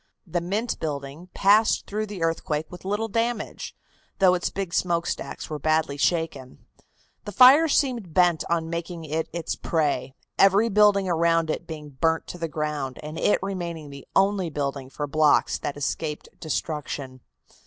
The Mint building passed through the earthquake with little damage, though its big smokestacks were badly shaken. The fire seemed bent on making it its prey, every building around it being burned to the ground, and it remaining the only building for blocks that escaped destruction.